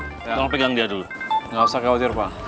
oh saya gini tolong pegang dia dulu nggak usah khawatir pak